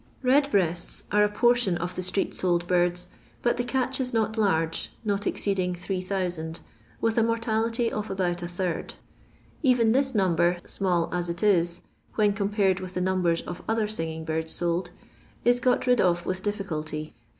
Jledbreasts are a portion of the street sold birds, but the catch is not large, not exceeding 8000, with a mortality of about a third. Even this num ber, small ns it is, when compared with the numbers of other singing birds sold, is got rid of with diffi culty.